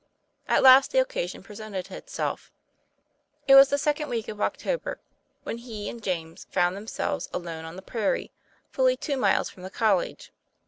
At last the occasion presented itself. It was the second week of October, whei. he and James found themselves alone on the prairie, fully two miles from the college.